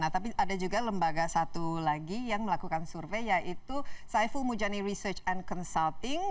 tapi ada juga lembaga satu lagi yang melakukan survei yaitu saiful mujani research and consulting